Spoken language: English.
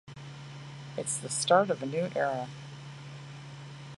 It's the start of a new era.